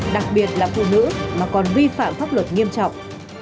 đặc biệt là phụ nữ mà còn vi phạm pháp luật nghiêm trọng